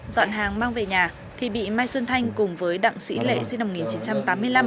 dọn hàng mang về nhà thì bị mai xuân thanh cùng với đặng sĩ lệ sinh năm một nghìn chín trăm tám mươi năm